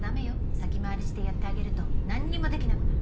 先回りしてやってあげるとなんにもできなくなる。